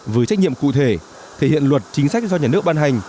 với trách nhiệm cụ thể thể hiện luật chính sách do nhà nước ban hành